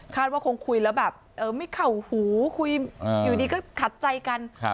ว่าคงคุยแล้วแบบเออไม่เข่าหูคุยอยู่ดีก็ขัดใจกัน